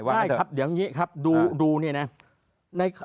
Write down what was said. ใช่ครับอย่างนี้ครับดูนี่นะ